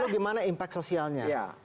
lalu bagaimana impact sosialnya